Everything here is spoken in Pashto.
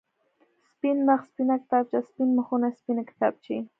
سپين مخ، سپينه کتابچه، سپين مخونه، سپينې کتابچې.